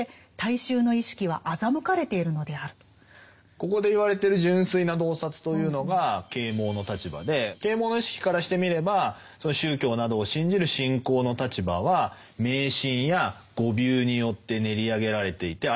ここで言われてる「純粋な洞察」というのが啓蒙の立場で啓蒙の意識からしてみれば宗教などを信じる信仰の立場は迷信や誤謬によってねりあげられていてあやまった洞察に陥ってしまっている。